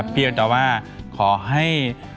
เพราะว่าขอให้